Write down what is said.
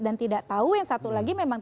dan tidak tahu yang satu lagi memang